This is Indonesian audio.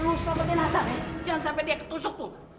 lu jangan sampai dia nasar ya jangan sampai dia ketusuk tuh